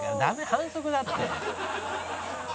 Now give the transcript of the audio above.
反則だって」